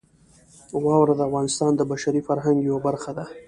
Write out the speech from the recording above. واوره د افغانستان د بشري فرهنګ یوه برخه ده.